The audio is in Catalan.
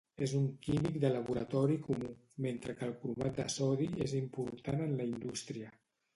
És un químic de laboratori comú, mentre que el cromat de sodi és important en la indústria.